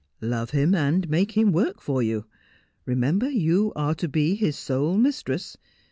' Love him and make him work for you. Remember you are to be his sole mistress.